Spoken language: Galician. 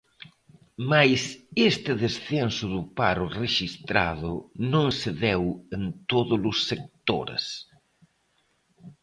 Mais este descenso do paro rexistrado non se deu en todos os sectores.